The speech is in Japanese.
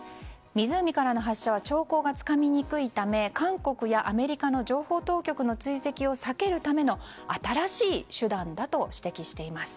湖からの発射は兆候がつかみにくいため韓国やアメリカの情報当局の追跡を避けるための新しい手段だと指摘しています。